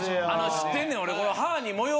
知ってんねん俺。